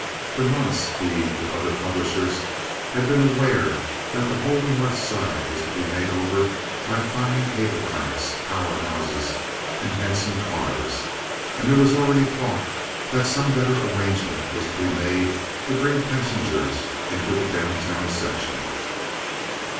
For months he, with the other publishers, had been aware that the whole North Side was to be made over by fine cable tracks, power houses, and handsome cars; and there already was talk that some better arrangement was to be made to bring the passengers into the down town section.